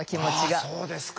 あそうですか。